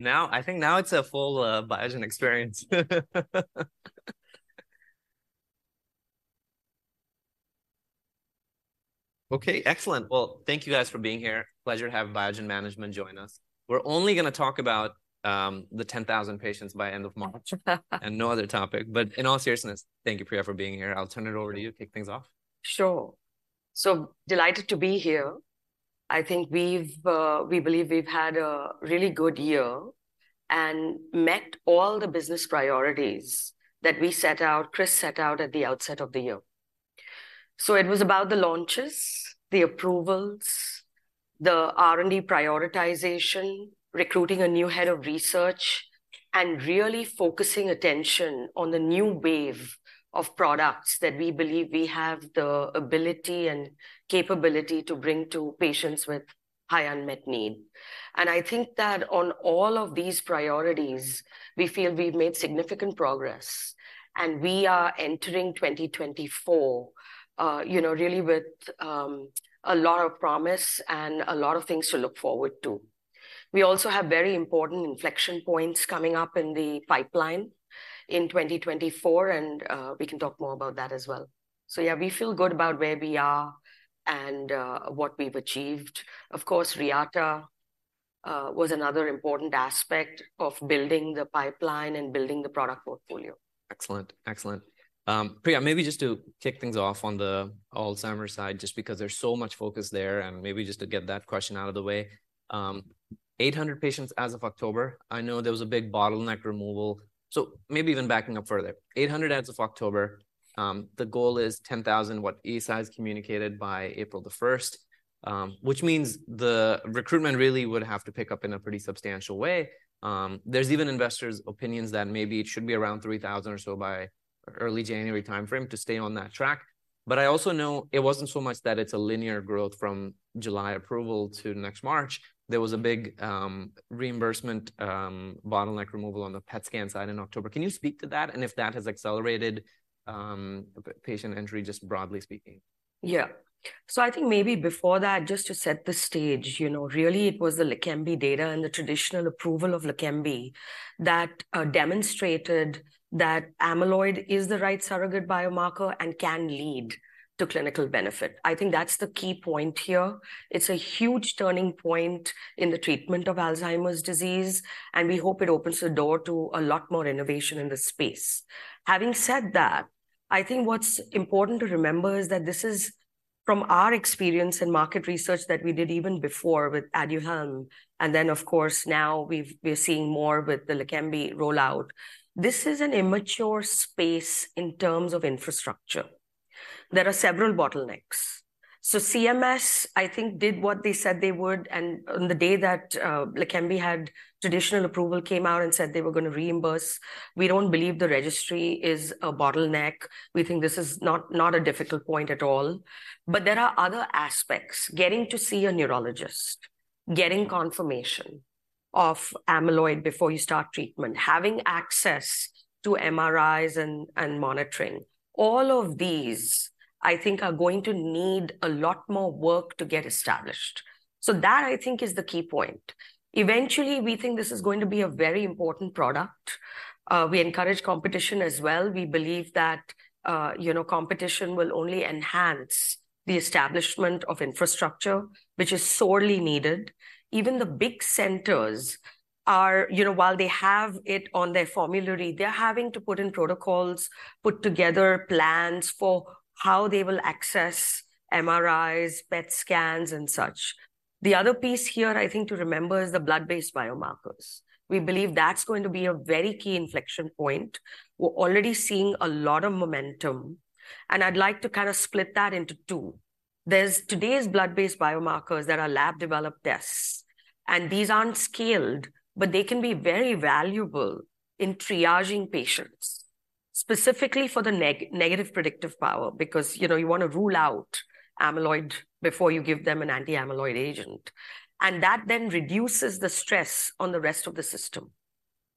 Now, I think now it's a full Biogen experience. Okay, excellent. Well, thank you guys for being here. Pleasure to have Biogen management join us. We're only gonna talk about the 10,000 patients by end of March and no other topic. But in all seriousness, thank you, Priya, for being here. I'll turn it over to you to kick things off. Sure. So delighted to be here. I think we've, we believe we've had a really good year and met all the business priorities that we set out, Chris set out at the outset of the year. So it was about the launches, the approvals, the R&D prioritization, recruiting a new head of research, and really focusing attention on the new wave of products that we believe we have the ability and capability to bring to patients with high unmet need. And I think that on all of these priorities, we feel we've made significant progress, and we are entering 2024, you know, really with, a lot of promise and a lot of things to look forward to. We also have very important inflection points coming up in the pipeline in 2024, and, we can talk more about that as well. So yeah, we feel good about where we are and what we've achieved. Of course, Reata was another important aspect of building the pipeline and building the product portfolio. Excellent, excellent. Priya, maybe just to kick things off on the Alzheimer's side, just because there's so much focus there, and maybe just to get that question out of the way. 800 patients as of October. I know there was a big bottleneck removal, so maybe even backing up further. 800 as of October, the goal is 10,000, what Eisai has communicated by April 1. Which means the recruitment really would have to pick up in a pretty substantial way. There's even investors' opinions that maybe it should be around 3,000 or so by early January timeframe to stay on that track. But I also know it wasn't so much that it's a linear growth from July approval to next March. There was a big, reimbursement, bottleneck removal on the PET scan side in October. Can you speak to that, and if that has accelerated, patient entry, just broadly speaking? Yeah. So I think maybe before that, just to set the stage, you know, really it was the LEQEMBI data and the traditional approval of LEQEMBI that demonstrated that amyloid is the right surrogate biomarker and can lead to clinical benefit. I think that's the key point here. It's a huge turning point in the treatment of Alzheimer's disease, and we hope it opens the door to a lot more innovation in this space. Having said that, I think what's important to remember is that this is from our experience in market research that we did even before with ADUHELM, and then, of course, now we're seeing more with the LEQEMBI rollout. This is an immature space in terms of infrastructure. There are several bottlenecks. So CMS, I think, did what they said they would, and on the day that LEQEMBI had traditional approval, came out and said they were gonna reimburse. We don't believe the registry is a bottleneck. We think this is not, not a difficult point at all. But there are other aspects: getting to see a neurologist, getting confirmation of amyloid before you start treatment, having access to MRIs and monitoring. All of these, I think, are going to need a lot more work to get established. So that, I think, is the key point. Eventually, we think this is going to be a very important product. We encourage competition as well. We believe that, you know, competition will only enhance the establishment of infrastructure, which is sorely needed. Even the big centers are... You know, while they have it on their formulary, they're having to put in protocols, put together plans for how they will access MRIs, PET scans, and such. The other piece here, I think, to remember is the blood-based biomarkers. We believe that's going to be a very key inflection point. We're already seeing a lot of momentum, and I'd like to kind of split that into two. There's today's blood-based biomarkers that are lab-developed tests, and these aren't scaled, but they can be very valuable in triaging patients, specifically for the negative predictive power, because, you know, you want to rule out amyloid before you give them an anti-amyloid agent. And that then reduces the stress on the rest of the system.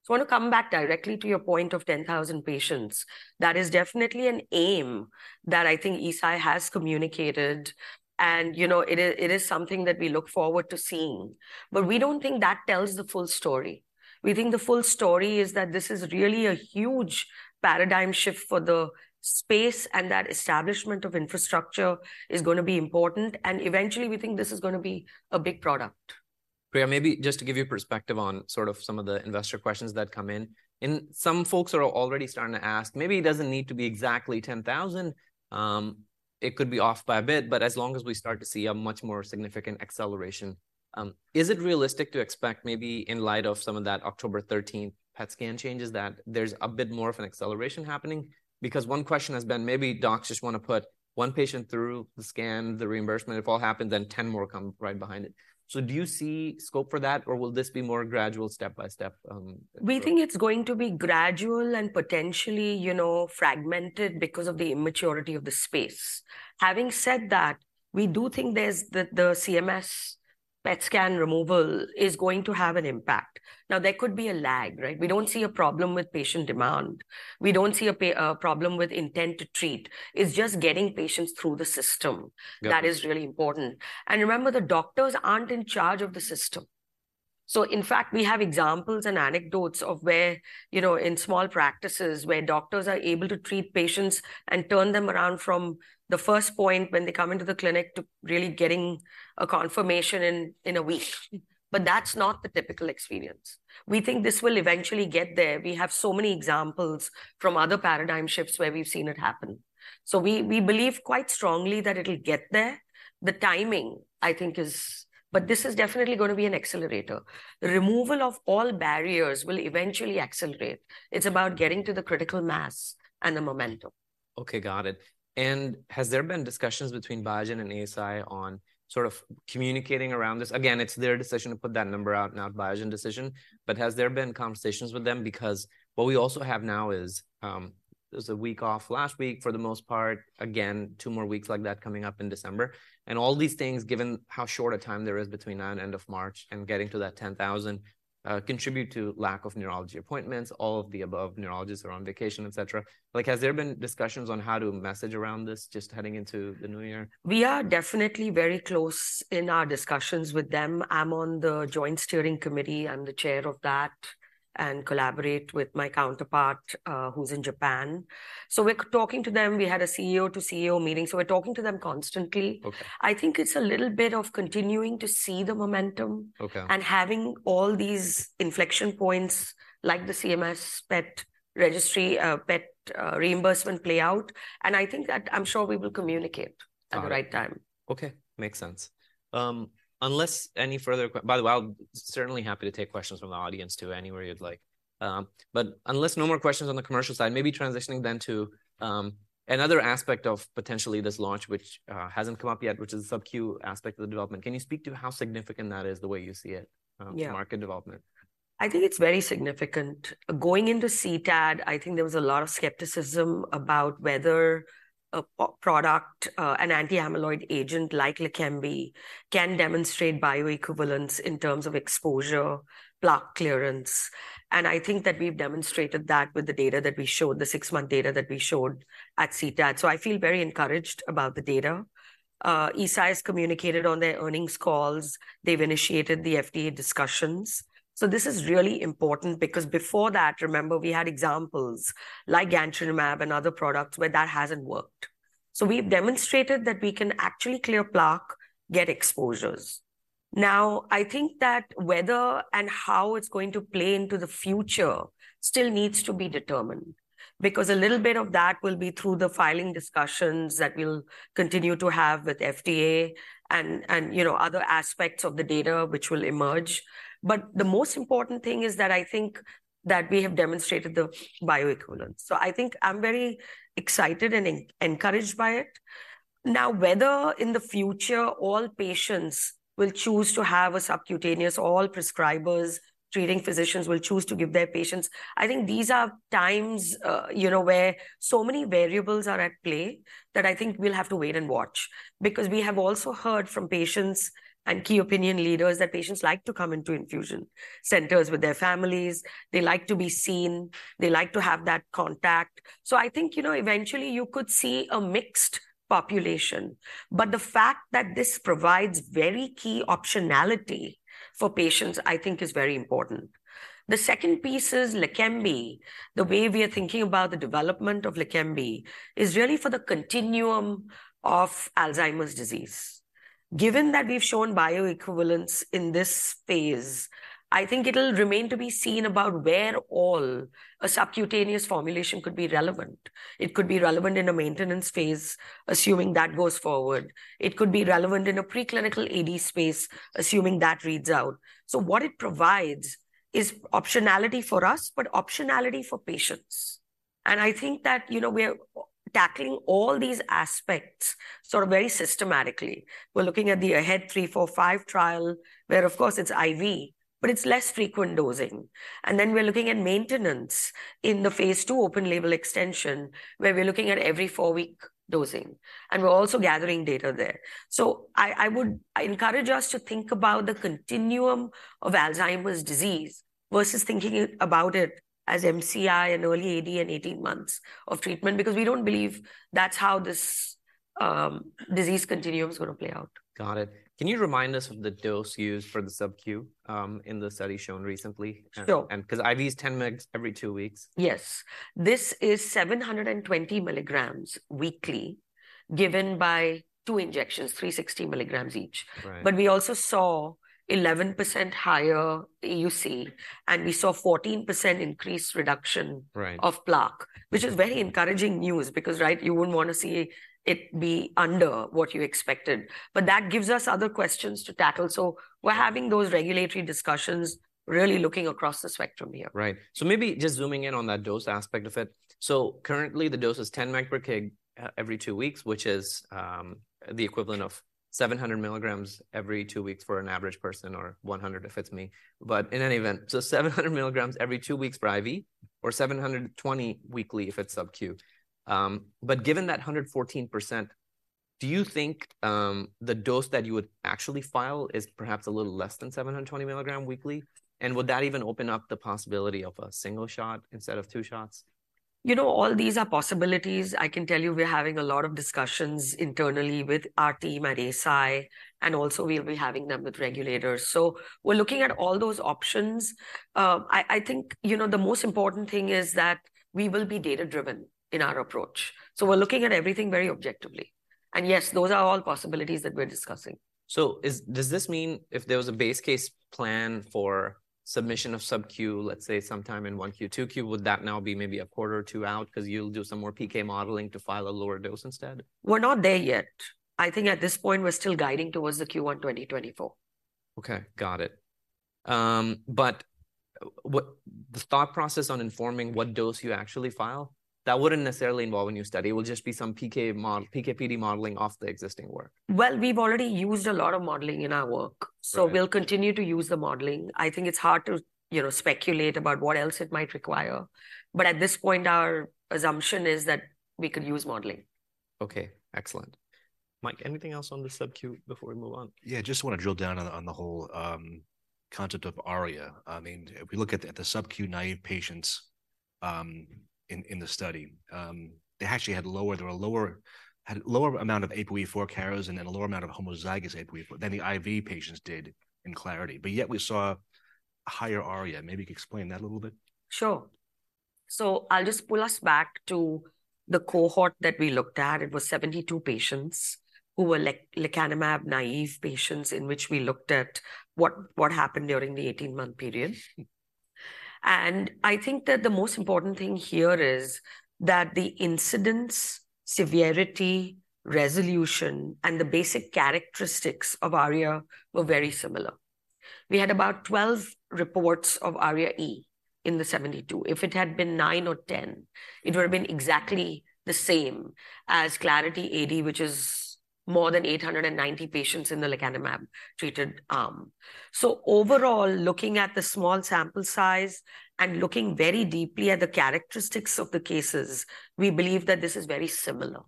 So I want to come back directly to your point of 10,000 patients. That is definitely an aim that I think Eisai has communicated, and, you know, it is, it is something that we look forward to seeing. But we don't think that tells the full story. We think the full story is that this is really a huge paradigm shift for the space, and that establishment of infrastructure is going to be important, and eventually, we think this is going to be a big product. Priya, maybe just to give you a perspective on sort of some of the investor questions that come in. And some folks are already starting to ask, maybe it doesn't need to be exactly 10,000, it could be off by a bit, but as long as we start to see a much more significant acceleration. Is it realistic to expect, maybe in light of some of that October 13 PET scan changes, that there's a bit more of an acceleration happening? Because one question has been, maybe docs just want to put one patient through the scan, the reimbursement, if all happens, then 10 more come right behind it. So do you see scope for that, or will this be more gradual, step-by-step? We think it's going to be gradual and potentially, you know, fragmented because of the immaturity of the space. Having said that, we do think there's the CMS PET scan removal is going to have an impact. Now, there could be a lag, right? We don't see a problem with patient demand. We don't see a problem with intent to treat. It's just getting patients through the system. Yeah... that is really important. And remember, the doctors aren't in charge of the system. So in fact, we have examples and anecdotes of where, you know, in small practices where doctors are able to treat patients and turn them around from the first point when they come into the clinic to really getting a confirmation in, in a week. But that's not the typical experience. We think this will eventually get there. We have so many examples from other paradigm shifts where we've seen it happen. So we, we believe quite strongly that it'll get there. The timing, I think, is. But this is definitely going to be an accelerator. Removal of all barriers will eventually accelerate. It's about getting to the critical mass and the momentum. Okay, got it. Has there been discussions between Biogen and Eisai on sort of communicating around this? Again, it's their decision to put that number out, not Biogen decision, but has there been conversations with them? Because what we also have now is, there was a week off last week, for the most part, again, two more weeks like that coming up in December. And all these things, given how short a time there is between now and end of March and getting to that 10,000, contribute to lack of neurology appointments, all of the above, neurologists are on vacation, et cetera. Like, has there been discussions on how to message around this just heading into the new year? We are definitely very close in our discussions with them. I'm on the joint steering committee, I'm the chair of that, and collaborate with my counterpart, who's in Japan. So we're talking to them. We had a CEO to CEO meeting, so we're talking to them constantly. Okay. I think it's a little bit of continuing to see the momentum- Okay... and having all these inflection points, like the CMS, PET registry, PET, reimbursement play out, and I think that I'm sure we will communicate at the right time. Got it. Okay, makes sense. Unless any further questions—by the way, I'm certainly happy to take questions from the audience, too, anywhere you'd like. But unless no more questions on the commercial side, maybe transitioning then to another aspect of potentially this launch, which hasn't come up yet, which is the subcu aspect of the development. Can you speak to how significant that is the way you see it? Yeah... to market development? I think it's very significant. Going into CTAD, I think there was a lot of skepticism about whether a product, an anti-amyloid agent like LEQEMBI can demonstrate bioequivalence in terms of exposure, plaque clearance, and I think that we've demonstrated that with the data that we showed, the six-month data that we showed at CTAD. So I feel very encouraged about the data. Eisai has communicated on their earnings calls. They've initiated the FDA discussions. So this is really important because before that, remember, we had examples like gantenerumab and other products where that hasn't worked. So we've demonstrated that we can actually clear plaque, get exposures. Now, I think that whether and how it's going to play into the future still needs to be determined, because a little bit of that will be through the filing discussions that we'll continue to have with FDA and, you know, other aspects of the data which will emerge. But the most important thing is that I think that we have demonstrated the bioequivalence. So I think I'm very excited and encouraged by it. Now, whether in the future all patients will choose to have a subcutaneous, all prescribers, treating physicians will choose to give their patients, I think these are times, you know, where so many variables are at play that I think we'll have to wait and watch. Because we have also heard from patients and key opinion leaders that patients like to come into infusion centers with their families. They like to be seen. They like to have that contact. So I think, you know, eventually you could see a mixed population. But the fact that this provides very key optionality for patients, I think is very important. The second piece is LEQEMBI. The way we are thinking about the development of LEQEMBI is really for the continuum of Alzheimer's disease. Given that we've shown bioequivalence in this phase, I think it'll remain to be seen about where all a subcutaneous formulation could be relevant. It could be relevant in a maintenance phase, assuming that goes forward. It could be relevant in a preclinical AD space, assuming that reads out. So what it provides is optionality for us, but optionality for patients. And I think that, you know, we're tackling all these aspects sort of very systematically. We're looking at the AHEAD 3-45 trial, where, of course, it's IV, but it's less frequent dosing. Then we're looking at maintenance in the phase 2 open-label extension, where we're looking at every four-week dosing, and we're also gathering data there. So I would encourage us to think about the continuum of Alzheimer's disease versus thinking about it as MCI and early AD and 18 months of treatment, because we don't believe that's how this disease continuum is going to play out. Got it. Can you remind us of the dose used for the subcu, in the study shown recently? Sure. 'Cause IV is 10 mgs every 2 weeks. Yes. This is 720 milligrams weekly, given by two injections, 360 milligrams each. Right. But we also saw 11% higher AUC, and we saw 14% increased reduction- Right... of plaque, which is very encouraging news because, right, you wouldn't want to see it be under what you expected. But that gives us other questions to tackle. We're having those regulatory discussions, really looking across the spectrum here. Right. So maybe just zooming in on that dose aspect of it. So currently, the dose is 10 mg per kg every two weeks, which is the equivalent of 700 milligrams every two weeks for an average person, or 100 if it's me. But in any event, 700 milligrams every two weeks for IV, or 720 weekly if it's subcu. But given that 114%, do you think the dose that you would actually file is perhaps a little less than 720 milligram weekly? And would that even open up the possibility of a single shot instead of two shots? ... You know, all these are possibilities. I can tell you we're having a lot of discussions internally with our team at Eisai, and also we'll be having them with regulators. So we're looking at all those options. I think, you know, the most important thing is that we will be data-driven in our approach, so we're looking at everything very objectively. And yes, those are all possibilities that we're discussing. So does this mean if there was a base case plan for submission of sub-Q, let's say sometime in 1Q, 2Q, would that now be maybe a quarter or two out? 'Cause you'll do some more PK modeling to file a lower dose instead? We're not there yet. I think at this point, we're still guiding towards the Q1 2024. Okay, got it. But what... The thought process on informing what dose you actually file, that wouldn't necessarily involve a new study. It will just be some PK/PD modeling off the existing work. Well, we've already used a lot of modeling in our work- Right. So we'll continue to use the modeling. I think it's hard to, you know, speculate about what else it might require, but at this point, our assumption is that we could use modeling. Okay, excellent. Mike, anything else on the sub-Q before we move on? Yeah, just wanna drill down on the, on the whole, concept of ARIA. I mean, if we look at the, the sub-Q naive patients, in, in the study, they actually had lower amount of APOE4 carriers and then a lower amount of homozygous APOE4 than the IV patients did in CLARITY, but yet we saw a higher ARIA. Maybe you could explain that a little bit? Sure. So I'll just pull us back to the cohort that we looked at. It was 72 patients who were lecanemab naive patients, in which we looked at what happened during the 18-month period. I think that the most important thing here is that the incidence, severity, resolution, and the basic characteristics of ARIA were very similar. We had about 12 reports of ARIA-E in the 72. If it had been 9 or 10, it would have been exactly the same as CLARITY AD, which is more than 890 patients in the lecanemab-treated arm. So overall, looking at the small sample size and looking very deeply at the characteristics of the cases, we believe that this is very similar.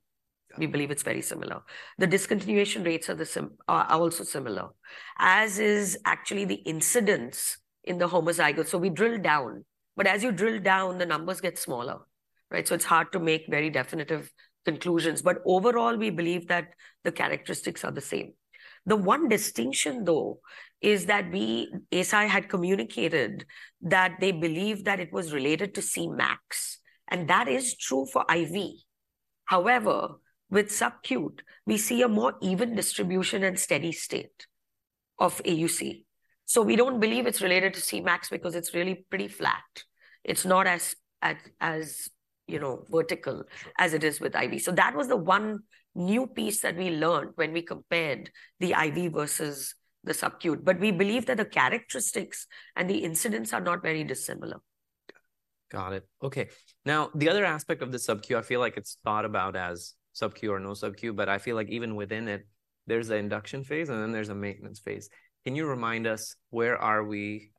Yeah. We believe it's very similar. The discontinuation rates are also similar, as is actually the incidence in the homozygous. So we drill down, but as you drill down, the numbers get smaller, right? So it's hard to make very definitive conclusions, but overall, we believe that the characteristics are the same. The one distinction, though, is that we, Eisai had communicated that they believed that it was related to Cmax, and that is true for IV. However, with sub-Q, we see a more even distribution and steady state of AUC, so we don't believe it's related to Cmax because it's really pretty flat. It's not as, you know, vertical as it is with IV. That was the one new piece that we learned when we compared the IV versus the sub-Q, but we believe that the characteristics and the incidence are not very dissimilar. Got it. Okay. Now, the other aspect of the sub-Q, I feel like it's thought about as sub-Q or no sub-Q, but I feel like even within it, there's an induction phase, and then there's a maintenance phase. Can you remind us where are we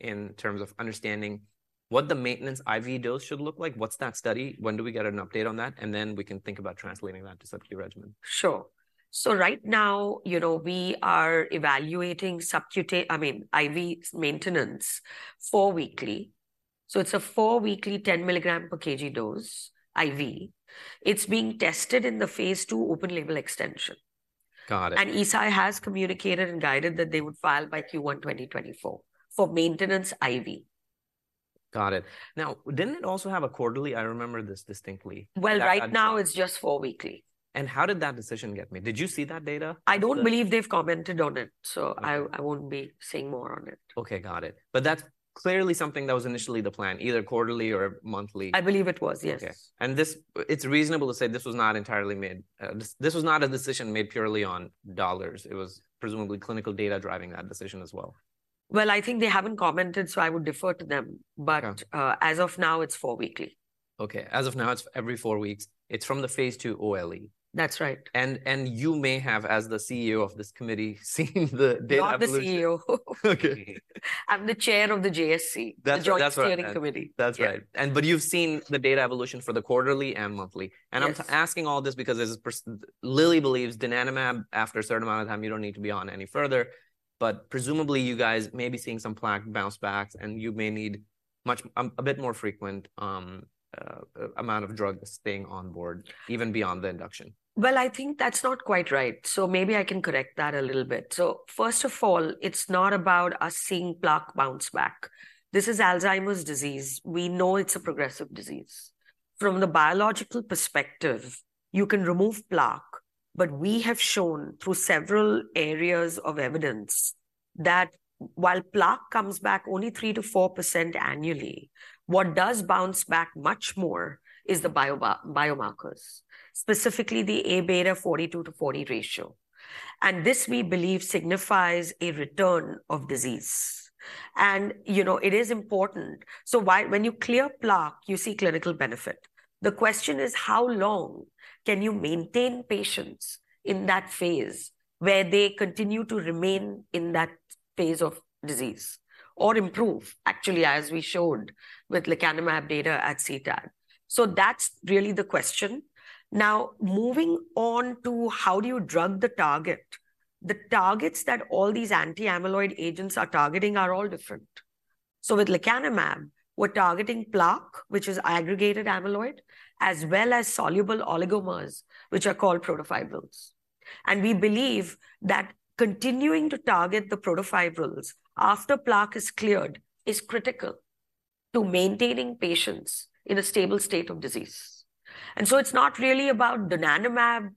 in terms of understanding what the maintenance IV dose should look like? What's that study? When do we get an update on that? And then we can think about translating that to sub-Q regimen. Sure. So right now, you know, we are evaluating, I mean, IV maintenance four weekly. So it's a four weekly, 10 milligram per kg dose IV. It's being tested in the phase 2 open-label extension. Got it. Eisai has communicated and guided that they would file by Q1 2024 for maintenance IV. Got it. Now, didn't it also have a quarterly? I remember this distinctly. Well, right now it's just 4 weekly. How did that decision get made? Did you see that data? I don't believe they've commented on it, so I- Okay... I won't be saying more on it. Okay, got it. But that's clearly something that was initially the plan, either quarterly or monthly. I believe it was, yes. Okay. It's reasonable to say this was not entirely made. This was not a decision made purely on dollars. It was presumably clinical data driving that decision as well. Well, I think they haven't commented, so I would defer to them. Okay. As of now, it's four weekly. Okay, as of now, it's every four weeks. It's from the phase 2 OLE. That's right. And you may have, as the CEO of this committee, seen the data evolution. Not the CEO. Okay. I'm the chair of the JSC- That's, that's right.... the Joint Steering Committee. That's right. Yeah. You've seen the data evolution for the quarterly and monthly. Yes. And I'm asking all this because Lilly believes donanemab, after a certain amount of time, you don't need to be on any further, but presumably you guys may be seeing some plaque bounce backs, and you may need much, a bit more frequent, amount of drug staying on board, even beyond the induction. Well, I think that's not quite right, so maybe I can correct that a little bit. First of all, it's not about us seeing plaque bounce back. This is Alzheimer's disease. We know it's a progressive disease. From the biological perspective, you can remove plaque, but we have shown through several areas of evidence that while plaque comes back only 3%-4% annually, what does bounce back much more is the biomarkers, specifically the Aβ 42/40 ratio, and this, we believe, signifies a return of disease. You know, it is important. When you clear plaque, you see clinical benefit. The question is, how long can you maintain patients in that phase where they continue to remain in that phase of disease or improve, actually, as we showed with lecanemab data at CTAD? That's really the question. Now, moving on to how do you drug the target? The targets that all these anti-amyloid agents are targeting are all different. So with lecanemab, we're targeting plaque, which is aggregated amyloid, as well as soluble oligomers, which are called protofibrils. And we believe that continuing to target the protofibrils after plaque is cleared is critical to maintaining patients in a stable state of disease. And so it's not really about donanemab,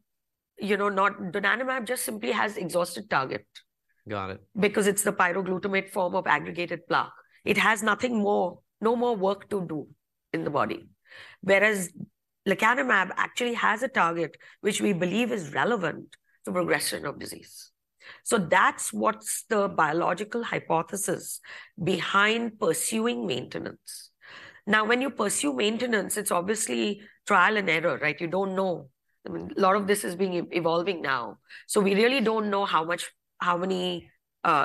you know, donanemab just simply has exhausted target. Got it. Because it's the pyroglutamate form of aggregated plaque. It has nothing more, no more work to do in the body. Whereas lecanemab actually has a target which we believe is relevant to progression of disease. So that's what's the biological hypothesis behind pursuing maintenance. Now, when you pursue maintenance, it's obviously trial and error, right? You don't know. I mean, a lot of this is being evolving now, so we really don't know how much, how many,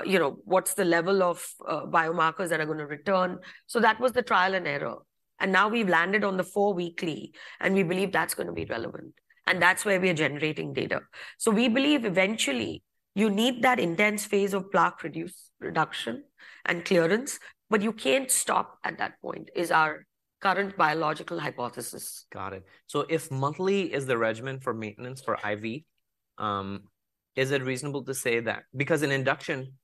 you know, what's the level of biomarkers that are gonna return. So that was the trial and error, and now we've landed on the four weekly, and we believe that's gonna be relevant, and that's where we are generating data. So we believe eventually you need that intense phase of plaque reduction and clearance, but you can't stop at that point, is our current biological hypothesis. Got it. So if monthly is the regimen for maintenance for IV, is it reasonable to say that—because in induction,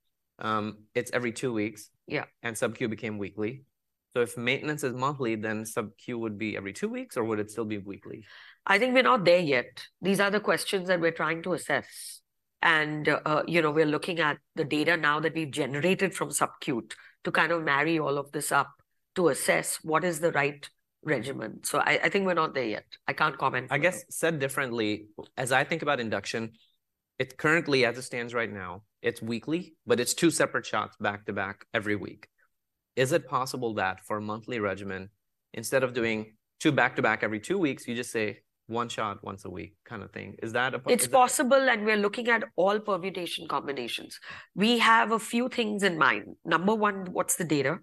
it's every two weeks- Yeah. and subcu became weekly. So if maintenance is monthly, then subcu would be every two weeks, or would it still be weekly? I think we're not there yet. These are the questions that we're trying to assess. And, you know, we're looking at the data now that we've generated from subcu to kind of marry all of this up to assess what is the right regimen. So I think we're not there yet. I can't comment. I guess, said differently, as I think about induction, it currently, as it stands right now, it's weekly, but it's two separate shots back to back every week. Is it possible that for a monthly regimen, instead of doing two back to back every two weeks, you just say one shot once a week kind of thing? Is that a possibility? It's possible, and we're looking at all permutation combinations. We have a few things in mind. Number one, what's the data?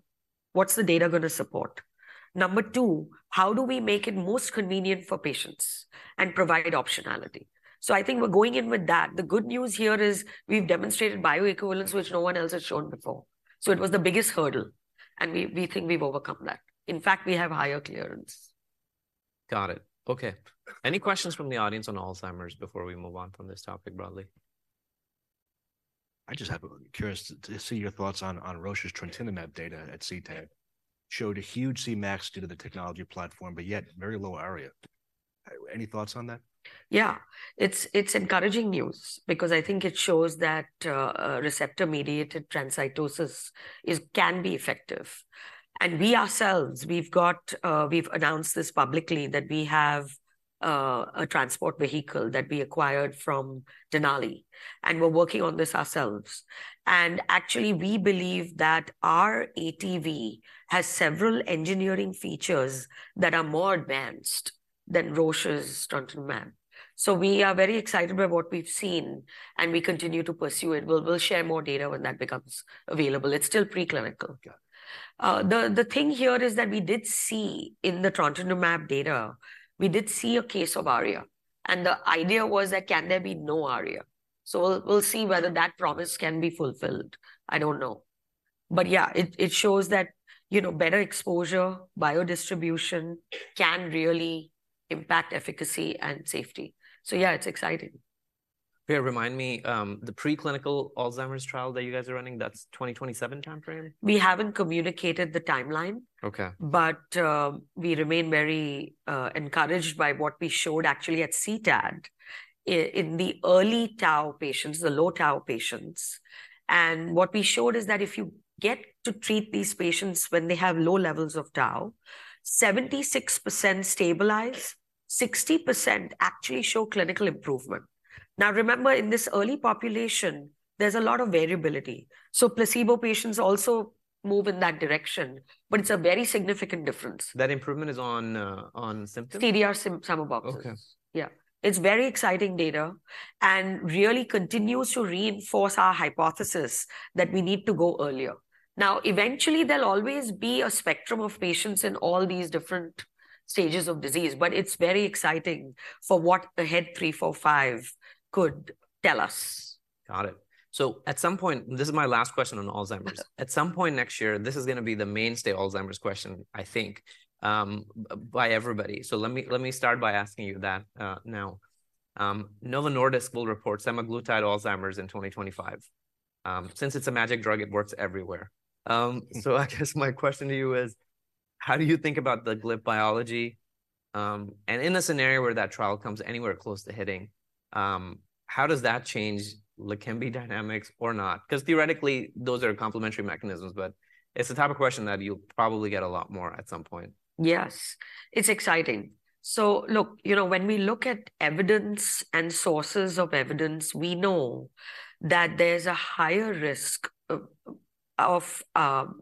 What's the data gonna support? Number two, how do we make it most convenient for patients and provide optionality? So I think we're going in with that. The good news here is we've demonstrated bioequivalence, which no one else has shown before. Mm. So it was the biggest hurdle, and we think we've overcome that. In fact, we have higher clearance. Got it. Okay. Any questions from the audience on Alzheimer's before we move on from this topic broadly? I just have curious to see your thoughts on Roche's trontinemab data at CTAD. Showed a huge Cmax due to the technology platform, but yet very low ARIA. Any thoughts on that? Yeah. It's, it's encouraging news because I think it shows that a receptor-mediated transcytosis is, can be effective. And we ourselves, we've got—we've announced this publicly, that we have a transport vehicle that we acquired from Denali, and we're working on this ourselves. And actually, we believe that our ATV has several engineering features that are more advanced than Roche's trontinemab. So we are very excited by what we've seen, and we continue to pursue it. We'll, we'll share more data when that becomes available. It's still preclinical. Yeah. The thing here is that we did see, in the trontinemab data, a case of ARIA, and the idea was that can there be no ARIA? So we'll see whether that promise can be fulfilled. I don't know. But yeah, it shows that, you know, better exposure, biodistribution can really impact efficacy and safety. So yeah, it's exciting. Yeah, remind me, the preclinical Alzheimer's trial that you guys are running, that's 2027 timeframe? We haven't communicated the timeline. Okay. But, we remain very encouraged by what we showed actually at CTAD in the early tau patients, the low tau patients. And what we showed is that if you get to treat these patients when they have low levels of tau, 76% stabilize, 60% actually show clinical improvement. Now, remember, in this early population, there's a lot of variability, so placebo patients also move in that direction, but it's a very significant difference. That improvement is on, on symptoms? CDR-SB. Okay. Yeah. It's very exciting data and really continues to reinforce our hypothesis that we need to go earlier. Now, eventually, there'll always be a spectrum of patients in all these different stages of disease, but it's very exciting for what the AHEAD 3-45 could tell us. Got it. So at some point, this is my last question on Alzheimer's. At some point next year, this is gonna be the mainstay Alzheimer's question, I think, by everybody. So let me, let me start by asking you that now. Novo Nordisk will report semaglutide Alzheimer's in 2025. Since it's a magic drug, it works everywhere. So I guess my question to you is: How do you think about the GLP biology? And in a scenario where that trial comes anywhere close to hitting, how does that change LEQEMBI dynamics or not? 'Cause theoretically, those are complementary mechanisms, but it's the type of question that you'll probably get a lot more at some point. Yes, it's exciting. So look, you know, when we look at evidence and sources of evidence, we know that there's a higher risk of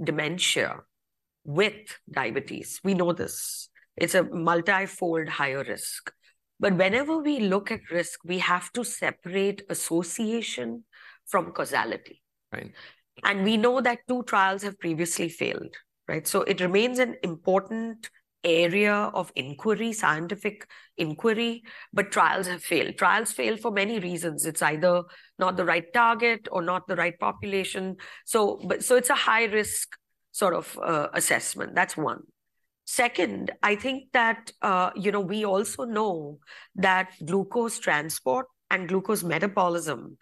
dementia with diabetes. We know this. It's a multi-fold higher risk. But whenever we look at risk, we have to separate association from causality... right? And we know that two trials have previously failed, right? So it remains an important area of inquiry, scientific inquiry, but trials have failed. Trials fail for many reasons. It's either not the right target or not the right population. So, but, so it's a high-risk sort of assessment. That's one. Second, I think that, you know, we also know that glucose transport and glucose metabolism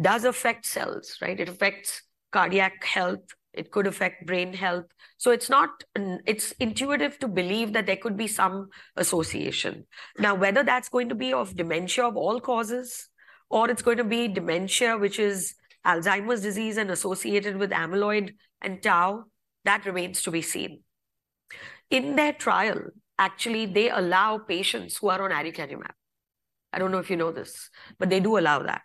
does affect cells, right? It affects cardiac health, it could affect brain health. So it's intuitive to believe that there could be some association. Now, whether that's going to be of dementia of all causes, or it's going to be dementia, which is Alzheimer's disease and associated with amyloid and tau, that remains to be seen. In their trial, actually, they allow patients who are on aducanumab. I don't know if you know this, but they do allow that.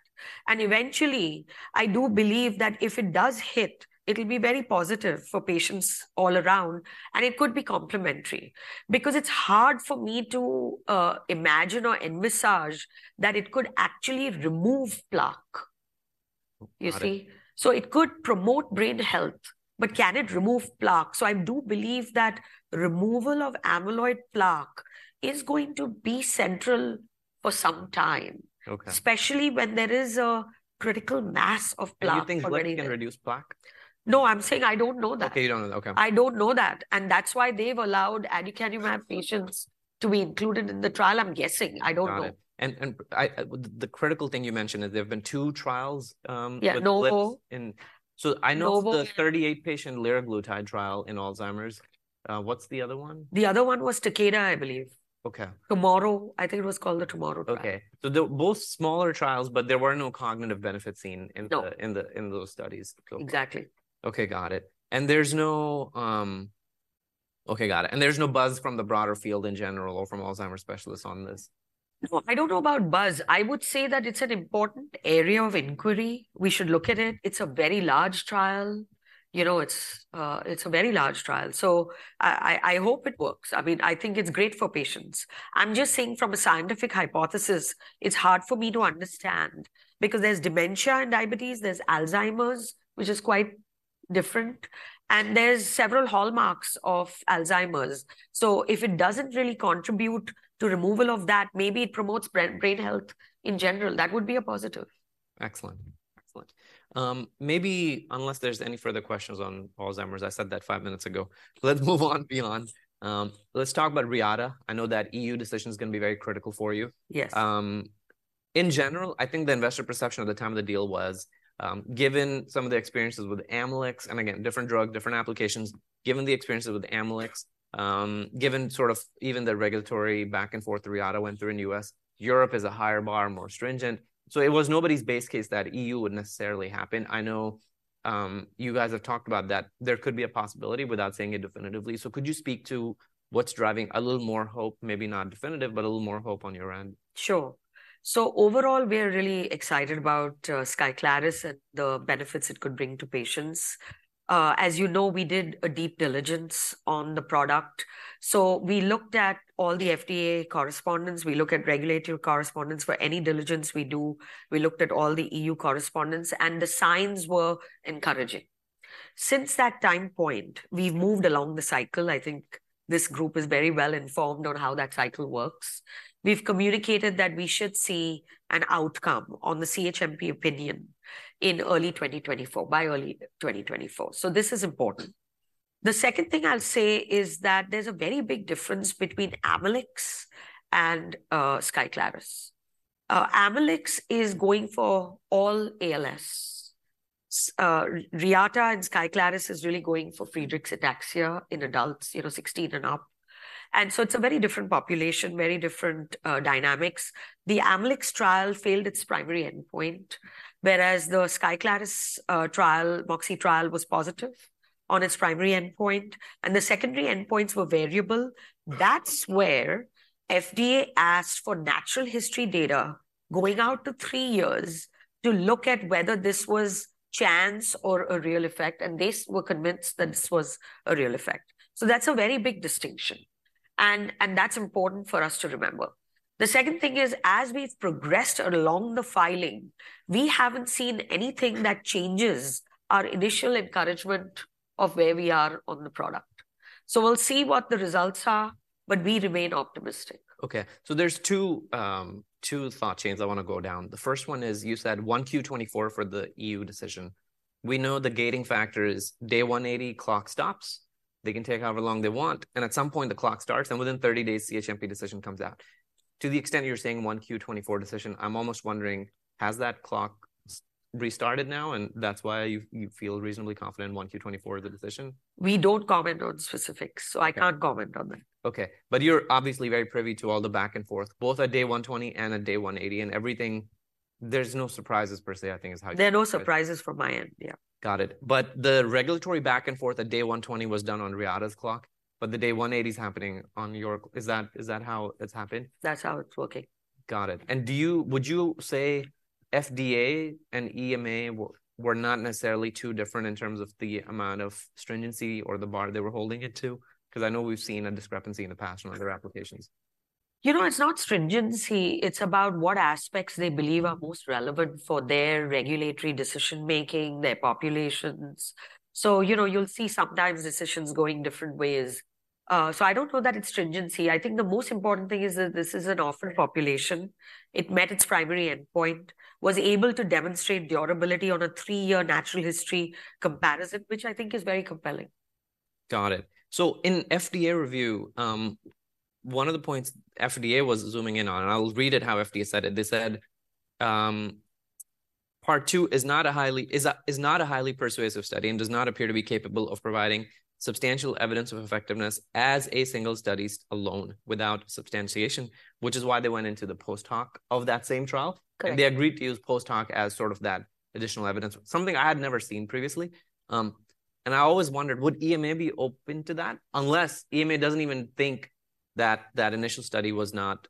And eventually, I do believe that if it does hit, it'll be very positive for patients all around, and it could be complementary. Because it's hard for me to imagine or envisage that it could actually remove plaque, you see? Got it. So it could promote brain health, but can it remove plaque? So I do believe that removal of amyloid plaque is going to be central for some time- Okay... especially when there is a critical mass of plaque already there. You think GLP can reduce plaque? No, I'm saying I don't know that. Okay, you don't know. Okay. I don't know that, and that's why they've allowed aducanumab patients to be included in the trial. I'm guessing, I don't know. Got it. The critical thing you mentioned is there have been two trials with GLP- Yeah, Novo... and so I know- Novo... the 38-patient liraglutide trial in Alzheimer's. What's the other one? The other one was Takeda, I believe. Okay. Tomorrow... I think it was called the TOMORROW trial. Okay, so they're both smaller trials, but there were no cognitive benefits seen in the- No... in those studies. Okay. Exactly. Okay, got it. And there's no buzz from the broader field in general or from Alzheimer's specialists on this? No, I don't know about buzz. I would say that it's an important area of inquiry. We should look at it. It's a very large trial. You know, it's a very large trial, so I hope it works. I mean, I think it's great for patients. I'm just saying from a scientific hypothesis, it's hard for me to understand because there's dementia and diabetes, there's Alzheimer's, which is quite different, and there's several hallmarks of Alzheimer's. So if it doesn't really contribute to removal of that, maybe it promotes brain health in general. That would be a positive. Excellent, excellent. Maybe unless there's any further questions on Alzheimer's, I said that five minutes ago, let's move on beyond. Let's talk about Reata. I know that EU decision is gonna be very critical for you. Yes. In general, I think the investor perception at the time of the deal was, given some of the experiences with Amylyx, and again, different drug, different applications. Given the experiences with Amylyx, given sort of even the regulatory back and forth Reata went through in the US, Europe is a higher bar, more stringent. So it was nobody's base case that EU would necessarily happen. I know, you guys have talked about that there could be a possibility without saying it definitively. So could you speak to what's driving a little more hope, maybe not definitive, but a little more hope on your end? Sure. So overall, we are really excited about SKYCLARYS and the benefits it could bring to patients. As you know, we did a deep diligence on the product, so we looked at all the FDA correspondence, we look at regulatory correspondence for any diligence we do. We looked at all the EU correspondence, and the signs were encouraging. Since that time point, we've moved along the cycle. I think this group is very well informed on how that cycle works. We've communicated that we should see an outcome on the CHMP opinion in early 2024, by early 2024. So this is important. The second thing I'll say is that there's a very big difference between Amylyx and SKYCLARYS. Amylyx is going for all ALS. So, Reata and SKYCLARYS is really going for Friedreich's ataxia in adults, you know, 16 and up, and so it's a very different population, very different dynamics. The Amylyx trial failed its primary endpoint, whereas the SKYCLARYS trial, MOXIe trial, was positive on its primary endpoint, and the secondary endpoints were variable. That's where FDA asked for natural history data going out to three years to look at whether this was chance or a real effect, and they were convinced that this was a real effect. So that's a very big distinction, and that's important for us to remember. The second thing is, as we've progressed along the filing, we haven't seen anything that changes our initial encouragement of where we are on the product. So we'll see what the results are, but we remain optimistic. Okay, so there's two thought chains I wanna go down. The first one is, you said 1Q 2024 for the EU decision. We know the gating factor is day 180, clock stops. They can take however long they want, and at some point the clock starts, and within 30 days, CHMP decision comes out. To the extent you're saying 1Q 2024 decision, I'm almost wondering, has that clock restarted now, and that's why you, you feel reasonably confident in 1Q 2024 as the decision? We don't comment on specifics, so I can't comment on that. Okay. But you're obviously very privy to all the back and forth, both at day 120 and at day 180, and everything... There's no surprises per se, I think is how you- There are no surprises from my end, yeah. Got it. But the regulatory back and forth at day 120 was done on Reata's clock, but the day 180 is happening on your cl- Is that, is that how it's happening? That's how it's working. Got it. And would you say FDA and EMA were not necessarily too different in terms of the amount of stringency or the bar they were holding it to? 'Cause I know we've seen a discrepancy in the past on other applications.... you know, it's not stringency, it's about what aspects they believe are most relevant for their regulatory decision-making, their populations. So, you know, you'll see sometimes decisions going different ways. So I don't know that it's stringency. I think the most important thing is that this is an orphan population. It met its primary endpoint, was able to demonstrate durability on a three-year natural history comparison, which I think is very compelling. Got it. So in FDA review, one of the points FDA was zooming in on, and I'll read it how FDA said it. They said, "Part two is not a highly persuasive study and does not appear to be capable of providing substantial evidence of effectiveness as a single study alone without substantiation," which is why they went into the post hoc of that same trial. Correct. They agreed to use post hoc as sort of that additional evidence, something I had never seen previously. I always wondered, would EMA be open to that? Unless EMA doesn't even think that that initial study was not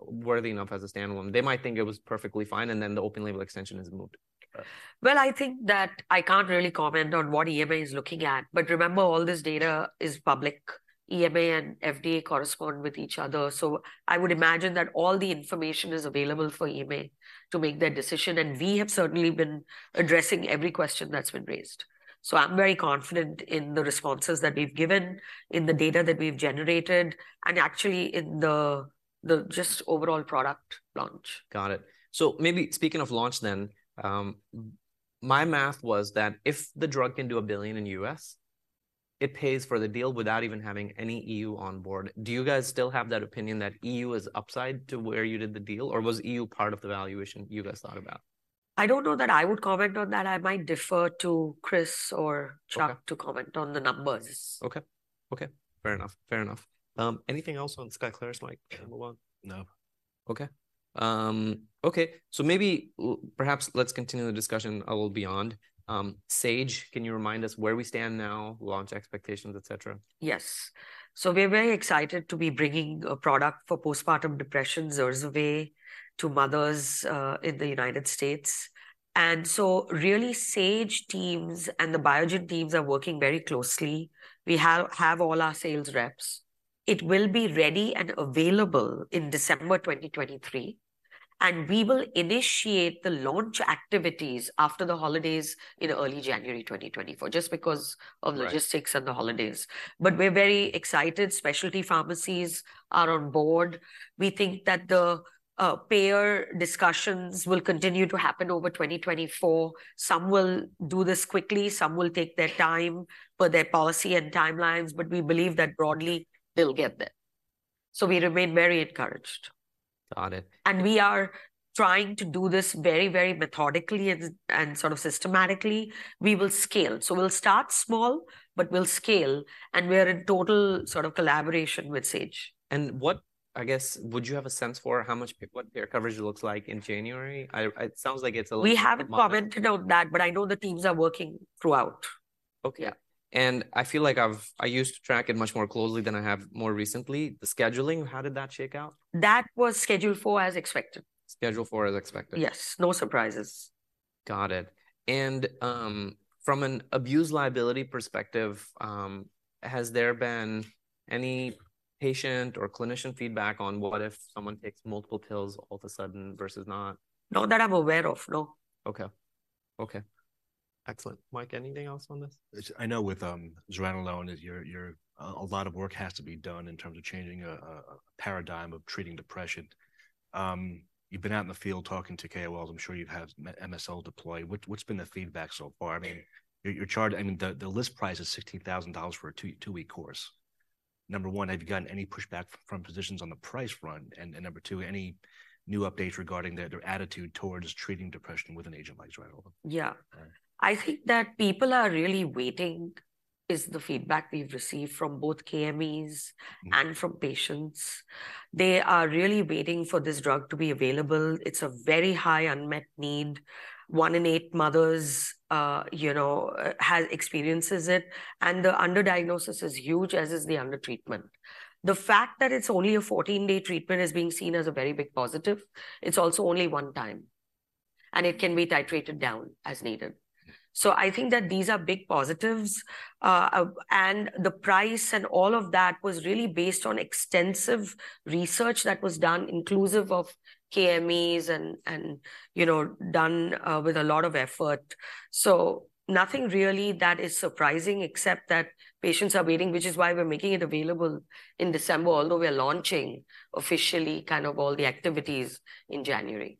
worthy enough as a standalone. They might think it was perfectly fine, and then the open label extension is moot. Well, I think that I can't really comment on what EMA is looking at, but remember, all this data is public. EMA and FDA correspond with each other, so I would imagine that all the information is available for EMA to make their decision, and we have certainly been addressing every question that's been raised. So I'm very confident in the responses that we've given, in the data that we've generated, and actually in the just overall product launch. Got it. So maybe speaking of launch then, my math was that if the drug can do $1 billion in the U.S., it pays for the deal without even having any EU on board. Do you guys still have that opinion that EU is upside to where you did the deal, or was EU part of the valuation you guys thought about? I don't know that I would comment on that. I might defer to Chris or- Sure... Chuck to comment on the numbers. Okay. Okay, fair enough. Fair enough. Anything else on SKYCLARYS, Mike, before we move on? No. Okay. Okay, so maybe perhaps let's continue the discussion a little beyond. Sage, can you remind us where we stand now, launch expectations, et cetera? Yes. So we're very excited to be bringing a product for postpartum depression, ZURZUVAE, to mothers, in the United States. And so really, Sage teams and the Biogen teams are working very closely. We have, have all our sales reps. It will be ready and available in December 2023, and we will initiate the launch activities after the holidays in early January 2024, just because of- Right... logistics and the holidays. But we're very excited. Specialty pharmacies are on board. We think that the payer discussions will continue to happen over 2024. Some will do this quickly, some will take their time per their policy and timelines, but we believe that broadly they'll get there. So we remain very encouraged. Got it. We are trying to do this very, very methodically and sort of systematically. We will scale. We'll start small, but we'll scale, and we're in total sort of collaboration with Sage. What, I guess, would you have a sense for how much, what their coverage looks like in January? It sounds like it's a little- We haven't commented on that, but I know the teams are working throughout. Okay. Yeah. I feel like I've, I used to track it much more closely than I have more recently. The scheduling, how did that shake out? That was Schedule IV as expected. Schedule IV as expected? Yes. No surprises. Got it. And, from an abuse liability perspective, has there been any patient or clinician feedback on what if someone takes multiple pills all of a sudden versus not? Not that I'm aware of, no. Okay. Okay. Excellent. Mike, anything else on this? I know with zuranolone, that you're a lot of work has to be done in terms of changing a paradigm of treating depression. You've been out in the field talking to KOLs. I'm sure you've had MSL deployed. What's been the feedback so far? I mean, you're charging. I mean, the list price is $16,000 for a two-week course. Number one, have you gotten any pushback from physicians on the price front? And number two, any new updates regarding their attitude towards treating depression with an agent like zuranolone? Yeah. All right. I think that people are really waiting, is the feedback we've received from both KOLs- Mm-hmm... and from patients. They are really waiting for this drug to be available. It's a very high unmet need. One in eight mothers, you know, experiences it, and the underdiagnosis is huge, as is the undertreatment. The fact that it's only a 14-day treatment is being seen as a very big positive. It's also only one time, and it can be titrated down as needed. Mm. So I think that these are big positives. And the price and all of that was really based on extensive research that was done inclusive of KMEs and, you know, done with a lot of effort. So nothing really that is surprising except that patients are waiting, which is why we're making it available in December, although we are launching officially kind of all the activities in January.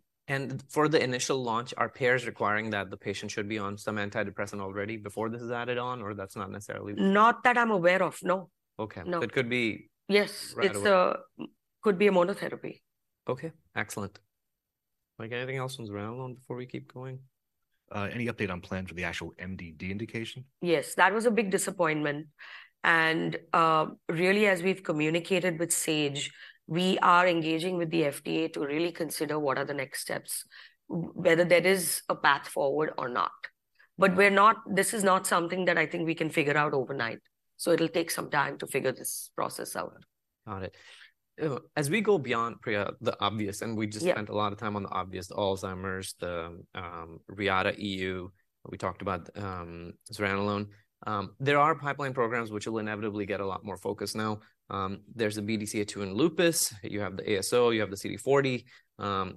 For the initial launch, are payers requiring that the patient should be on some antidepressant already before this is added on, or that's not necessarily the- Not that I'm aware of, no. Okay. No. But could be- Yes... right away. It could be a monotherapy. Okay, excellent. Mike, anything else on zuranolone before we keep going? Any update on plans for the actual MDD indication? Yes, that was a big disappointment. And, really, as we've communicated with Sage, we are engaging with the FDA to really consider what are the next steps, whether there is a path forward or not... but we're not, this is not something that I think we can figure out overnight, so it'll take some time to figure this process out. Got it. As we go beyond, Priya, the obvious- Yeah. we just spent a lot of time on the obvious, the Alzheimer's, the, Reata EU, we talked about, zuranolone. There are pipeline programs which will inevitably get a lot more focus now. There's a BDCA2 in lupus, you have the ASO, you have the CD40,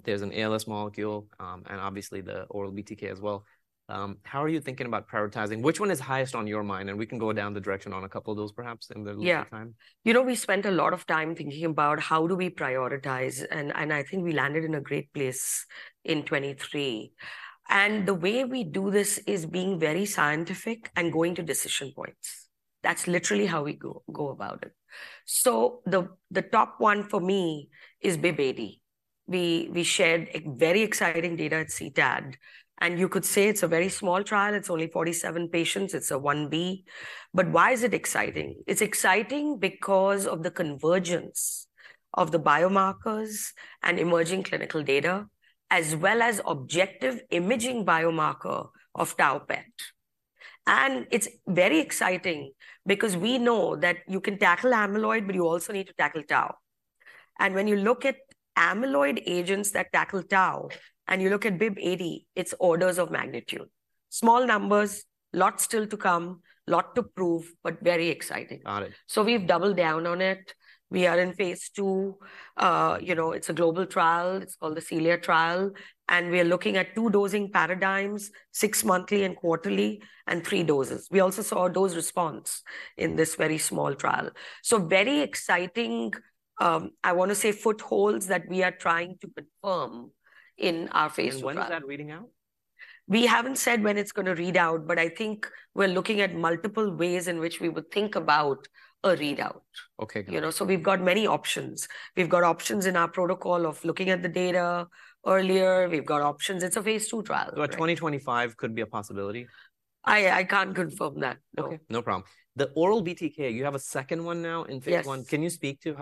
there's an ALS molecule, and obviously the oral BTK as well. How are you thinking about prioritizing? Which one is highest on your mind? And we can go down the direction on a couple of those perhaps in the little time. Yeah. You know, we spent a lot of time thinking about how do we prioritize, and, and I think we landed in a great place in 2023. The way we do this is being very scientific and going to decision points. That's literally how we go, go about it. So the, the top one for me is BIIB080. We, we shared a very exciting data at CTAD, and you could say it's a very small trial, it's only 47 patients, it's a 1b. But why is it exciting? It's exciting because of the convergence of the biomarkers and emerging clinical data, as well as objective imaging biomarker of tau PET. And it's very exciting because we know that you can tackle amyloid, but you also need to tackle tau. And when you look at amyloid agents that tackle tau, and you look at BIIB080, it's orders of magnitude. Small numbers, lot still to come, lot to prove, but very exciting. Got it. So we've doubled down on it. We are in phase II. You know, it's a global trial, it's called the CELIA trial, and we are looking at two dosing paradigms, six-monthly and quarterly, and three doses. We also saw a dose response in this very small trial. So very exciting, I want to say footholds that we are trying to confirm in our phase II trial. When is that reading out? We haven't said when it's going to read out, but I think we're looking at multiple ways in which we would think about a readout. Okay, got it. You know, so we've got many options. We've got options in our protocol of looking at the data earlier, we've got options... It's a phase II trial. But 2025 could be a possibility? I can't confirm that, no. Okay, no problem. The oral BTK, you have a second one now in phase I. Yes. Can you speak to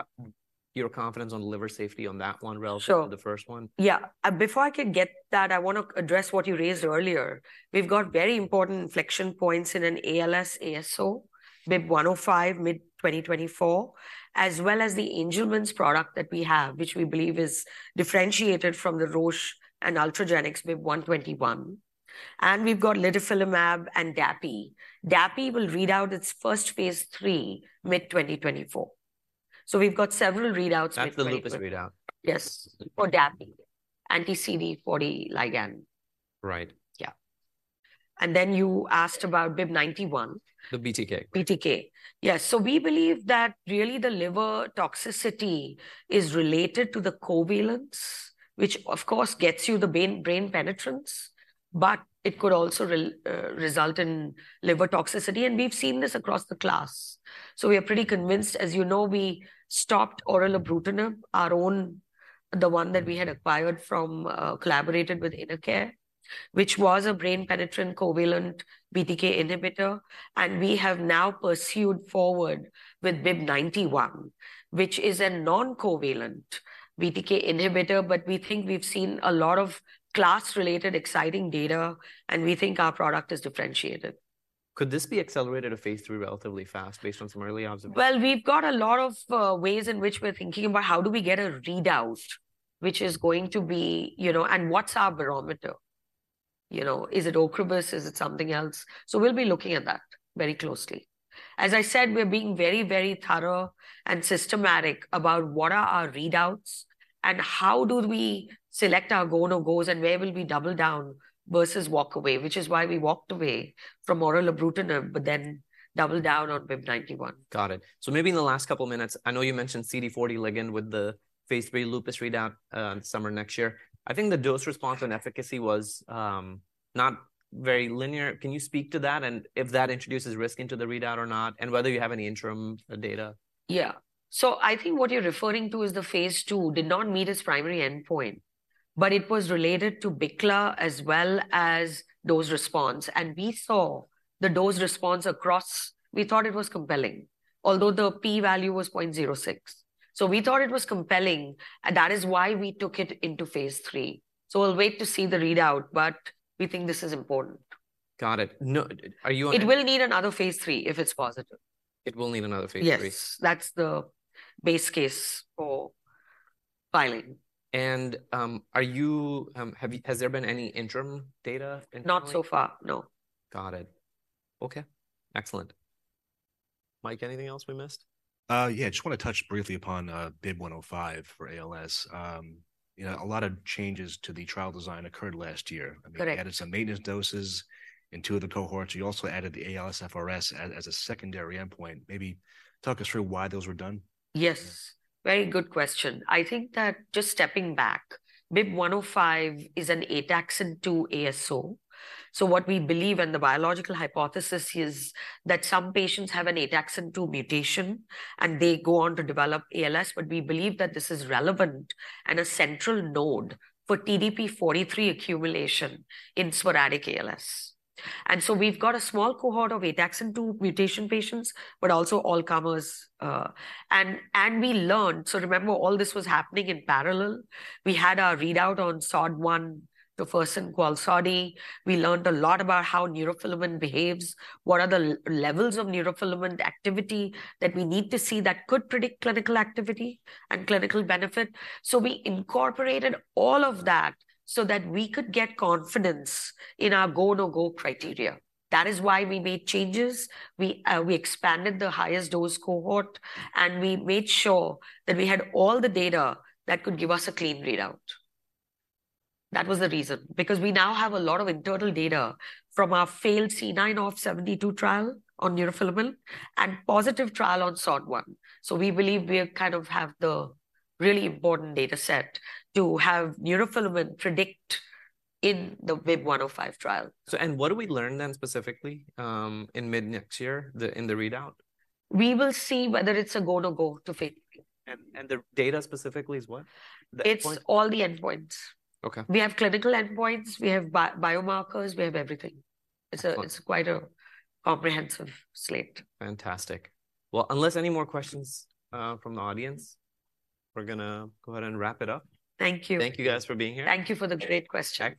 your confidence on liver safety on that one relative- Sure... to the first one? Yeah. Before I could get that, I want to address what you raised earlier. We've got very important inflection points in an ALS ASO, BIIB105, mid 2024, as well as the Angelman's product that we have, which we believe is differentiated from the Roche and Ultragenyx BIIB121, and we've got litifilimab and Dapi. Dapi will read out its first phase III mid 2024. So we've got several readouts with- That's the lupus readout. Yes, for Dapi. Anti-CD40 ligand. Right. Yeah. And then you asked about BIIB091. The BTK. BTK. Yes, so we believe that really the liver toxicity is related to the covalence, which of course gets you the brain, brain penetrance, but it could also result in liver toxicity, and we've seen this across the class. So we are pretty convinced. As you know, we stopped orelabrutinib, our own, the one that we had acquired from, collaborated with InnoCare, which was a brain-penetrant covalent BTK inhibitor. And we have now pursued forward with BIIB091, which is a non-covalent BTK inhibitor, but we think we've seen a lot of class-related exciting data, and we think our product is differentiated. Could this be accelerated to phase 3 relatively fast, based on some early observations? Well, we've got a lot of ways in which we're thinking about how do we get a readout which is going to be... you know, and what's our barometer? You know, is it Ocrevus? Is it something else? So we'll be looking at that very closely. As I said, we're being very, very thorough and systematic about what are our readouts, and how do we select our go/no-go, and where will we double down versus walk away? Which is why we walked away from orelabrutinib, but then doubled down on BIIB091. Got it. So maybe in the last couple minutes, I know you mentioned CD40 ligand with the phase III lupus readout, summer next year. I think the dose response and efficacy was, not very linear. Can you speak to that, and if that introduces risk into the readout or not, and whether you have any interim data? Yeah. So I think what you're referring to is the phase II did not meet its primary endpoint, but it was related to BICLA as well as dose response. We saw the dose response across... We thought it was compelling, although the p-value was 0.06. So we thought it was compelling, and that is why we took it into phase III. So we'll wait to see the readout, but we think this is important. Got it. No, are you on- It will need another phase III if it's positive. It will need another phase III? Yes, that's the base case for filing. Has there been any interim data internally? Not so far, no. Got it. Okay, excellent. Mike, anything else we missed? Yeah, just want to touch briefly upon BIIB105 for ALS. You know, a lot of changes to the trial design occurred last year. Correct. I mean, you added some maintenance doses in two of the cohorts. You also added the ALSFRS as a secondary endpoint. Maybe talk us through why those were done. Yes, very good question. I think that just stepping back, BIIB105 is an ataxin-2 ASO. So what we believe, and the biological hypothesis, is that some patients have an ataxin-2 mutation, and they go on to develop ALS, but we believe that this is relevant and a central node for TDP-43 accumulation in sporadic ALS. And so we've got a small cohort of ataxin-2 mutation patients, but also all comers. And we learned... So remember, all this was happening in parallel. We had our readout on SOD1, the first in Qalsody. We learned a lot about how neurofilament behaves, what are the levels of neurofilament activity that we need to see that could predict clinical activity and clinical benefit? So we incorporated all of that so that we could get confidence in our go/no-go criteria. That is why we made changes. We, we expanded the highest dose cohort, and we made sure that we had all the data that could give us a clean readout. That was the reason, because we now have a lot of internal data from our failed C9orf72 trial on neurofilament, and positive trial on SOD1. So we believe we kind of have the really important dataset to have neurofilament predict in the BIIB105 trial. What do we learn then, specifically, in mid next year, in the readout? We will see whether it's a go/no-go to phase III. And the data specifically is what? The endpoint- It's all the endpoints. Okay. We have clinical endpoints, we have biomarkers, we have everything. Okay. It's quite a comprehensive slate. Fantastic. Well, unless any more questions from the audience, we're gonna go ahead and wrap it up. Thank you. Thank you guys for being here. Thank you for the great questions.